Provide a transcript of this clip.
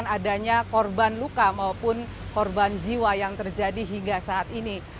namun ini juga merupakan adanya korban luka maupun korban jiwa yang terjadi hingga saat ini